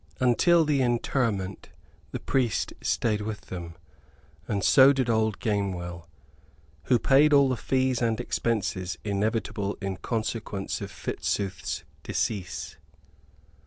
Until the interment the priest stayed with them, and so did old Gamewell, who paid all the fees and expenses inevitable in consequence of Fitzooth's decease.